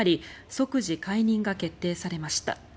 即時解任が決定されました。